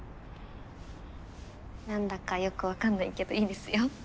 何だかよく分かんないけどいいですよ。